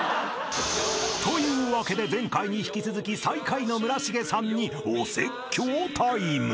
［というわけで前回に引き続き最下位の村重さんにお説教タイム］